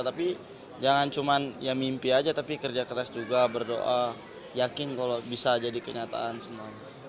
tapi jangan cuma ya mimpi aja tapi kerja keras juga berdoa yakin kalau bisa jadi kenyataan semuanya